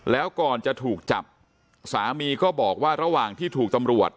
แล้วก่อนจะถูกจับสามีก็บอกว่าระหว่างที่ถูกตำรวจ